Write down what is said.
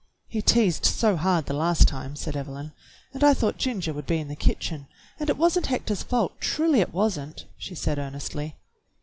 "He teased so hard the last time," said Evelyn, "and I thought Ginger would be in the kitchen. And it was n't Hector's fault, truly it was n't," she said earnestly.